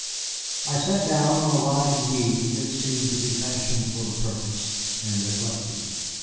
I sat down on a wide knee that seemed to be fashioned for the purpose, and reflected.